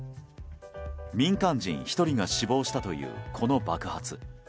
民間人１人が死亡したというこの爆発。